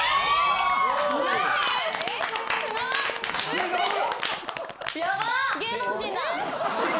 すごいな。